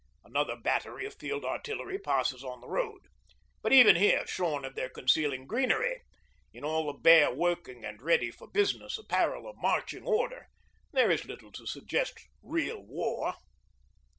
Another battery of field artillery passes on the road. But even here, shorn of their concealing greenery, in all the bare working and ready for business apparel of 'marching order,' there is little to suggest real war.